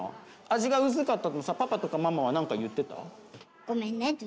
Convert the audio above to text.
味が薄かったことさパパとかママは何か言ってた？